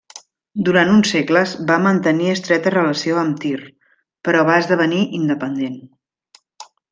Durant uns segles va mantenir estreta relació amb Tir, però va esdevenir independent.